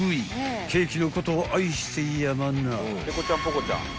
［ケーキのことを愛してやまない］